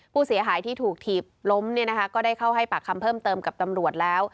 ผู้เสียหายที่ถูกถีบล้มเนี่ยนะคะก็ได้เข้าให้ปากคำเพิ่มเติมกับตำรวจแล้ว